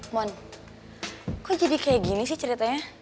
mon kok jadi kayak gini sih ceritanya